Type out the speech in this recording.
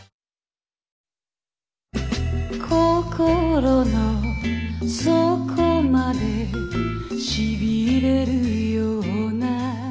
「心の底までしびれるような」